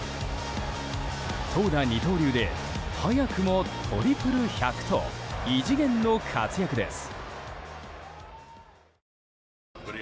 投打二刀流で早くもトリプル１００と異次元の活躍です。